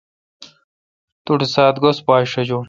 تو ٹھ سات گز پاچ شجہ۔